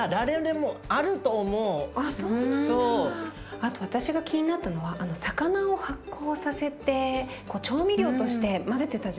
あと私が気になったのはあの魚を発酵させて調味料として混ぜてたじゃない？